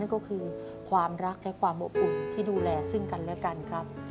ก็คือความรักและความอบอุ่นที่ดูแลซึ่งกันและกันครับ